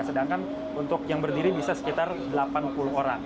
sedangkan untuk yang berdiri bisa sekitar delapan puluh orang